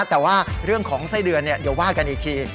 แต่ว่าเรื่องของไส้เดือนเดี๋ยวว่ากันอีกที